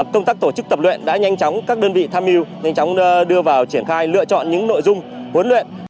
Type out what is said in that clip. công tác tổ chức tập luyện đã nhanh chóng các đơn vị tham mưu nhanh chóng đưa vào triển khai lựa chọn những nội dung huấn luyện